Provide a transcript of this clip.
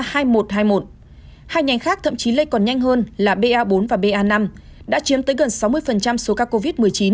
hai ngành khác thậm chí lây còn nhanh hơn là ba bốn và ba năm đã chiếm tới gần sáu mươi số ca covid một mươi chín